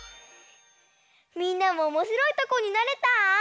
みんなもおもしろいタコになれた？